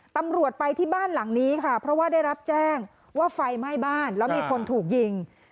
ตำรวจไปที่บ้านหลังนี้ค่ะเพราะว่าได้รับแจ้งว่าไฟไหม้บ้านแล้วมีคนถูกยิง